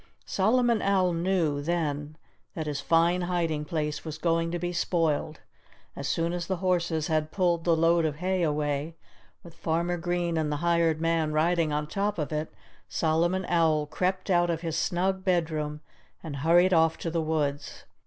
Solomon Owl knew then that his fine hiding place was going to be spoiled. As soon as the horses had pulled the load of hay away, with Farmer Green and the hired man riding on top of it, Solomon Owl crept out of his snug bedroom and hurried off to the woods.